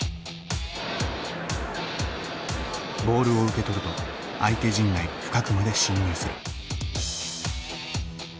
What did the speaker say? ボールを受け取ると相手陣内深くまで進入する。